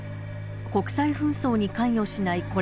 国際紛争に関与しない